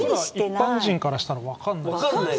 一般人からしたら分からない。